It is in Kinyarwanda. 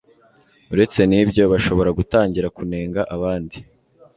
uretse n'ibyo, bashobora gutangira kunenga abandi